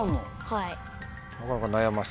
はい。